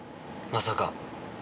まさか。